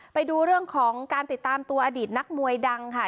ไปดูเรื่องของการติดตามตัวอดีตนักมวยดังค่ะ